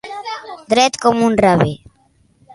Dret com un rave.